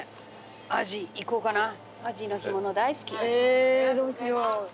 ええどうしよう。